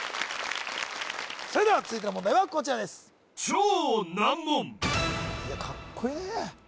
それでは続いての問題はこちらですいやカッコイイ！